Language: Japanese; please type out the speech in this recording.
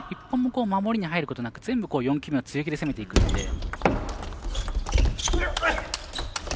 １本も守りに入ることなく４本目は強気で攻めていくので。